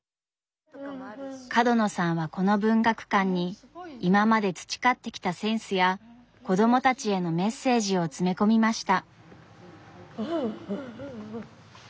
角野さんはこの文学館に今まで培ってきたセンスや子供たちへのメッセージを詰め込みました。